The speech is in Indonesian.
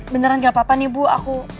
beneran gak apa apa nih ibu aku